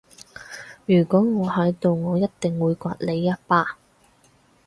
如果我喺度我一定會摑你一巴